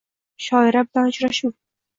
Shoira bilan uchrashuv